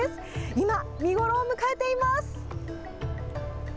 今、見頃を迎えています。